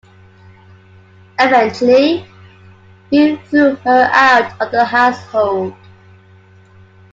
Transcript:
Eventually, he threw her out of the household.